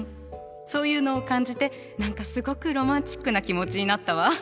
そういうのを感じて何かすごくロマンチックな気持ちになったわ。